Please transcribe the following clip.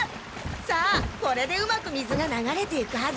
さあこれでうまく水が流れていくはず。